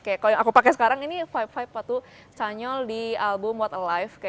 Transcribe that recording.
kayak kalau yang aku pakai sekarang ini vibe vibe waktu chanyol di album what alife